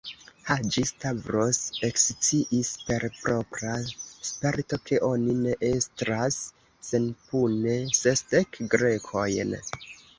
Haĝi-Stavros eksciis per propra sperto, ke oni ne estras senpune sesdek Grekojn.